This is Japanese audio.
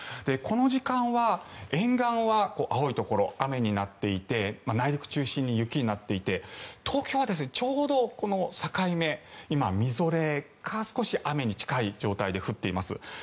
この時間は沿岸は青いところ雨になっていて内陸中心に雪になっていて東京はちょうど境目みぞれか少し雨に近い状態で降っています。